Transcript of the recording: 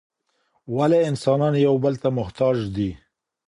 ولي انسانان یو بل ته محتاج دي؟